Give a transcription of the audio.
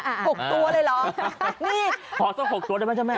๖ตัวเลยเหรอพอสัก๖ตัวได้ไหมเจ้าแม่